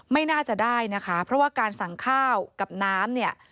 ไม่น่าจะได้นะคะเพราะว่าการสั่งข้าวกับน้ำเนี่ย